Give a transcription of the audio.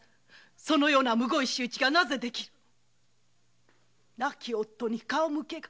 そのようなむごい仕打ちがなぜ出来る亡き夫に顔向けが。